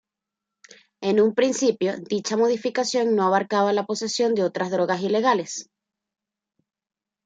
En un principio, dicha modificación no abarcaba la posesión de otras drogas ilegales.